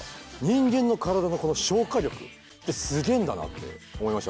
人間の体の消化力ってすげえんだなって思いましたね。